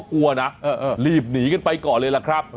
ก็กลัวนะรีบหนีไปก่อนเลยแหละครับ